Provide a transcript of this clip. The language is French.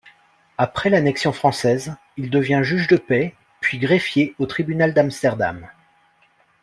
Après l'annexion française, il devient juge de paix puis greffier au tribunal d'Amsterdam.